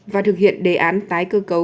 và thực hiện đề án tái cơ cấu